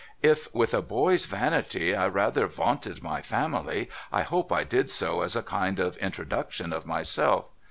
If, with a boy's vanity, I rather vaunted my family, I hope I did so as a kind of introduction of myself.